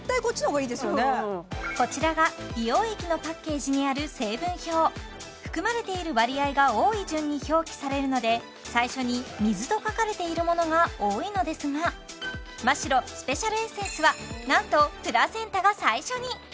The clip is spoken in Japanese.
うんこちらが美容液のパッケージにある成分表含まれている割合が多い順に表記されるので最初に「水」と書かれているものが多いのですがマ・シロスペシャルエッセンスは何とプラセンタが最初に！